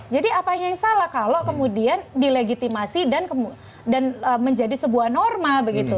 jadi apa yang salah kalau kemudian dilegitimasi dan menjadi sebuah norma